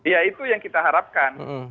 ya itu yang kita harapkan